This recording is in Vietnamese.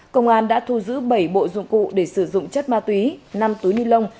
công an đã thu giữ bảy bộ dụng cụ để sử dụng chất ma túy năm túi ni lông